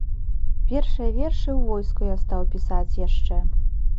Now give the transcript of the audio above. Першыя вершы ў войску я стаў пісаць яшчэ.